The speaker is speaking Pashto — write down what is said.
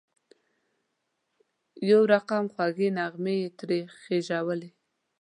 یو رقم خوږې نغمې یې ترې خېژولې.